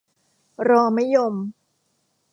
รอมะยม